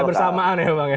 secara bersamaan ya bang